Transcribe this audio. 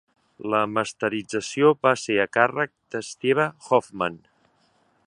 La masterització va ser a càrrec d'Steve Hoffman.